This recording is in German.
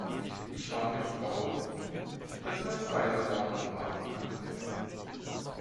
Ich wage zu behaupten, dass man Zweifel daran haben kann.